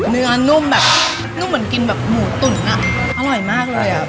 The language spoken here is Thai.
นุ่มแบบนุ่มเหมือนกินแบบหมูตุ๋นอ่ะอร่อยมากเลยอ่ะ